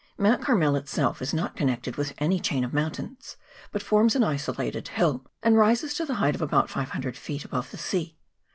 Mount Carmel itself is not connected with any chain of mountains, but forms an isolated hill, and rises to the height of about 500 feet above the sea.